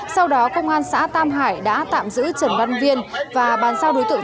sau đó công an xã tam hải đã tạm giữ trần văn viên và bàn giao đối tượng